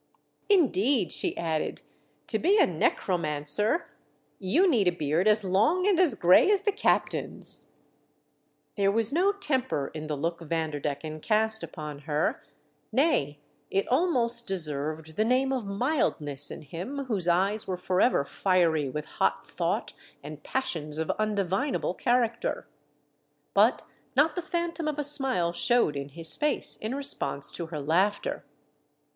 " Indeed," she added, "to be a necromancer, you need a beard as long and as grey as the captain's " There was no temper in the look Vander decken cast upon her, nay, it almost deserved the name of mildness in him whose eyes were OJ^ THE DEATH SHIP. forever fiery with hot thought and passions of undivinable character. But not the phan tom of a smile showed in his face in response to her laughter.